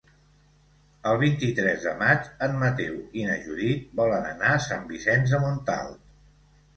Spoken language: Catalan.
El vint-i-tres de maig en Mateu i na Judit volen anar a Sant Vicenç de Montalt.